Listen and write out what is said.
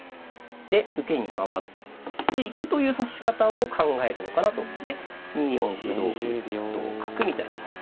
で受けに回っていくという指し方を考えるのかなと。で２四歩同歩同角みたいな。